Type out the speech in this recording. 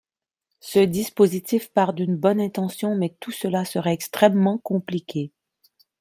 Ce dispositif part d’une bonne intention, mais tout cela serait extrêmement compliqué.